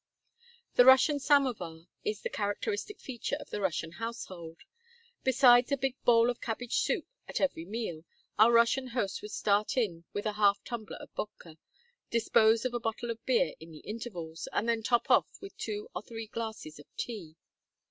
The Russian samovar is the characteristic feature of the Russian household. Besides a big bowl of cabbage soup at every meal, our Russian host would start in with a half tumbler of vodka, dispose of a bottle of beer in the intervals, and then top off with two or three glasses of tea.